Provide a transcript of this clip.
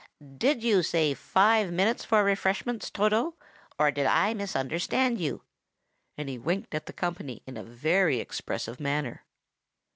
"Did you say five minutes for refreshments, Toto, or did I misunderstand you?" and he winked at the company in a very expressive manner.